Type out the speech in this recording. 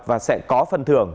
và sẽ có phần thưởng